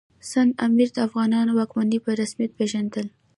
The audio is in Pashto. سند امیر د افغانانو واکمني په رسمیت پېژندل.